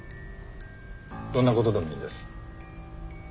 どんな事でもいいです。